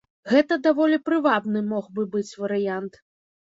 Гэта даволі прывабны мог бы быць варыянт.